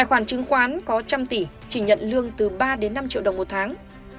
khoản chứng khoán có trăm tỷ chỉ nhận lương từ ba năm triệu đồng một tháng